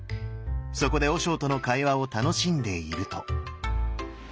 そこで和尚との会話を楽しんでいると。